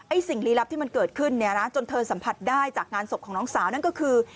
สิ่งลี้ลับที่มันเกิดขึ้นเนี่ยนะจนเธอสัมผัสได้จากงานศพของน้องสาวนั่นก็คือ